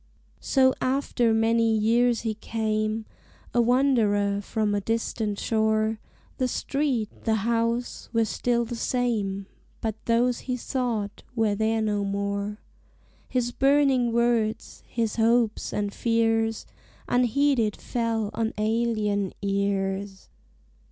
So after many years he came A wanderer from a distant shore: The street, the house, were still the same, But those he sought were there no more: His burning words, his hopes and fears, Unheeded fell on alien ears.